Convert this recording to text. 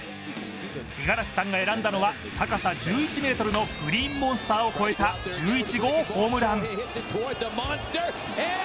五十嵐さんが選んだのは、高さ１１ｍのグリーンモンスターを越えた１１号ホームラン。